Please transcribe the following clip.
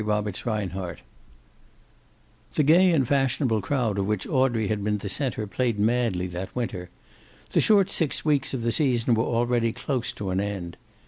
CHAPTER XV The gay and fashionable crowd of which Audrey had been the center played madly that winter. The short six weeks of the season were already close to an end.